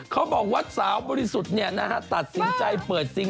เขาบอกว่าสาวบริสุทธิ์ตัดสินใจเปิดจริง